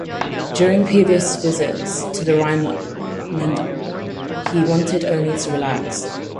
During previous visits to the Rhineland he wanted only to relax.